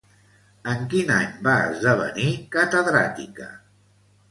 En quin any va esdevenir catedràtica?